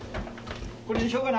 これにしようかな。